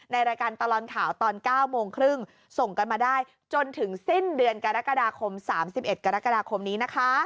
รายการตลอดข่าวตอน๙โมงครึ่งส่งกันมาได้จนถึงสิ้นเดือนกรกฎาคม๓๑กรกฎาคมนี้นะคะ